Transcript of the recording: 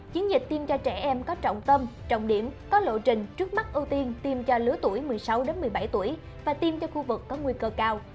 chiến dịch tiêm cho trẻ em có trọng tâm trọng điểm có lộ trình trước mắt ưu tiên tiêm cho lứa tuổi một mươi sáu một mươi bảy tuổi và tiêm cho khu vực có nguy cơ cao